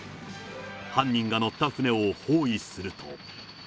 犯人が乗った船を包囲すると。